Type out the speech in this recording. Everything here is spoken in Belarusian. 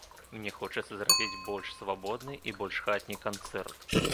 Мне хочацца зрабіць больш свабодны і больш хатні канцэрт.